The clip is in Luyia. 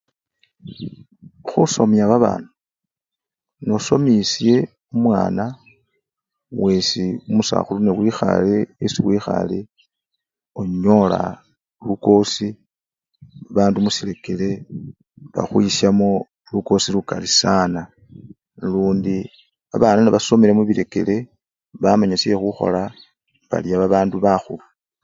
Khusomya babana, nosomisye omwana wesi omusakhulu niyo wikhale! buli esii wikhale onyola lukosii, bandu musirekere bakhwisyamo lukosi lukali sana nalundi babana nebasomile mubirekere bamanya syekhukhola, barya babandu bakhulu.